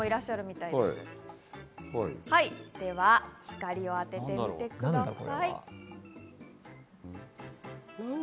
光を当ててみてください。